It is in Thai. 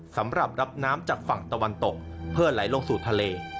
สำหรับรับน้ำจากฝั่งตะวันตกเพื่อไหลลงสู่ทะเล